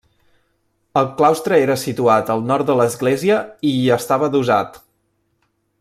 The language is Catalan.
El claustre era situat al nord de l'església i hi estava adossat.